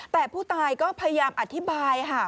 แต่ผู้ตายก็พยายามอธิบายค่ะ